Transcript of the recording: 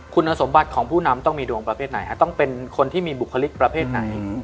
คุณสมบัติของผู้นำต้องมีดวงประเภทไหนต้องเป็นคนที่มีบุคลิกประเภทไหน